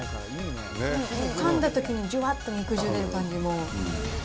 かんだときに、じゅわっと肉汁出る感じも。